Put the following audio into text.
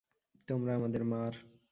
তোমরা আমাদের মার।